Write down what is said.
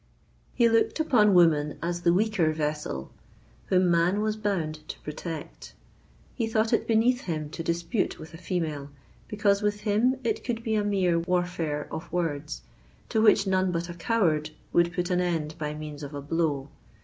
He looked upon woman as the weaker vessel, whom man was bound to protect. He thought it beneath him to dispute with a female; because with him it could be a mere warfare of words, to which none but a coward would put an end by means of a blow.